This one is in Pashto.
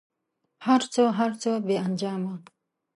هر څه، هر څه بې انجامه